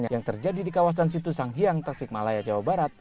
yang terjadi di kawasan situ sanghiang tasikmalaya jawa barat